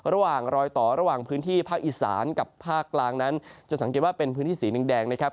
ระหว่างรอยต่อระหว่างพื้นที่ภาคอีสานกับภาคกลางนั้นจะสังเกตว่าเป็นพื้นที่สีแดงนะครับ